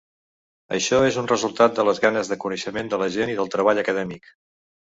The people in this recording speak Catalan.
Això és un resultat de les ganes de coneixement de la gent i del treball acadèmic.